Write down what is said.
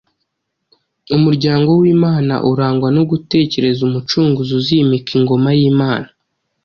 Umuryango w’Imana urangwa no gutekereza Umucunguzi uzimika ingoma y’Imana